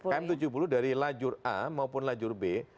km tujuh puluh dari lajur a maupun lajur b